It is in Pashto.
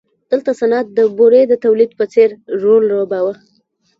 دلته صنعت د بورې د تولید په څېر رول لوباوه.